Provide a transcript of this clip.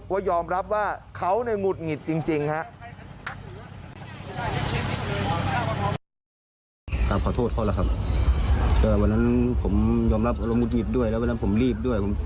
ว่ายอมรับว่าเขาหงุดหงิดจริงครับ